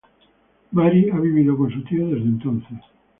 Mary ha vivido con su tío desde entonces.